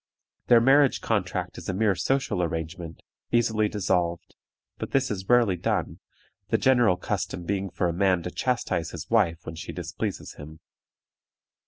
Their marriage contract is a mere social arrangement, easily dissolved, but this is rarely done, the general custom being for a man to chastise his wife when she displeases him.